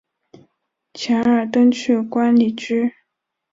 钱尔登去官里居。